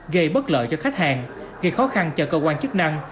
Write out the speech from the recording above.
gây bất lợi cho khách hàng gây khó khăn cho cơ quan chức năng